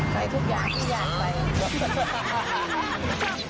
ใส่ทุกอย่างที่อยากใส่